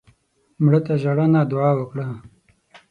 مړه ته ژړا نه، دعا وکړه